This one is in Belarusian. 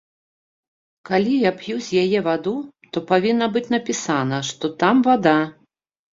Калі я п'ю з яе ваду, то павінна быць напісана, што там вада.